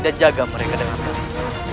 dan jaga mereka dengan baik